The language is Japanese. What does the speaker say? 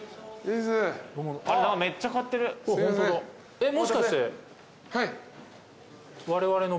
えっもしかして。